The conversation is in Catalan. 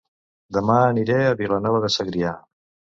Dema aniré a Vilanova de Segrià